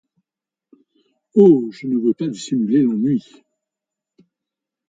Oh ! je ne-vous veux pas dissimuler l'ennui